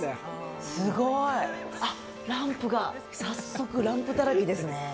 すごい、あっ、ランプが、早速、ランプだらけですね。